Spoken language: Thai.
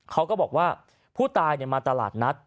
เขาก็บอกว่าผู้ตายมาตลาดนัด